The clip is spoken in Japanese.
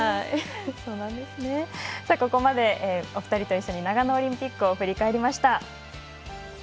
ここまで、お二人と一緒に長野オリンピックを振り返りました。